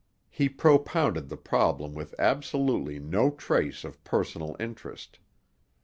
He propounded the problem with absolutely no trace of personal interest.